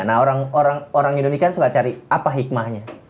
nah orang indonesia suka cari apa hikmahnya